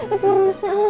ibu ibu rasa